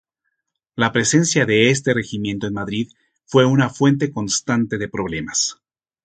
La presencia de este regimiento en Madrid fue una fuente constante de problemas.